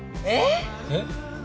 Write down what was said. えっ？